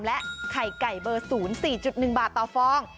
และไข่ไก่เบอร์๐๔๑บาทต่อฟอง